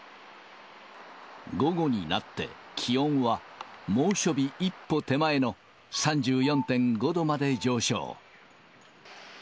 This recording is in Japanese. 午後になって気温は猛暑日一歩手前の３４．５度まで上昇。